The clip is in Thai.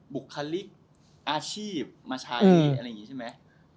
บุคลิกอาชีพมาใช้อะไรอย่างนี้ใช่ไหม